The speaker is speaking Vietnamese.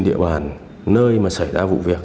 ở trên địa bàn nơi mà xảy ra vụ việc